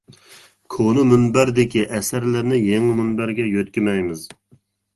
كونا مۇنبەردىكى ئەسەرلەرنى يېڭى مۇنبەرگە يۆتكىمەيمىز.